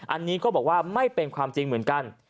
อันนี้ก็บอกว่าไม่เป็นความจริงเหมือนกัน